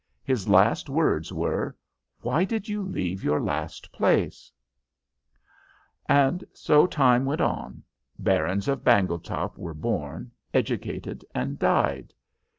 His last words were, "Why did you leave your last place?" And so time went on. Barons of Bangletop were born, educated, and died.